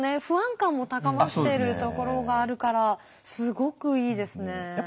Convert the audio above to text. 不安感も高まってるところがあるからすごくいいですね。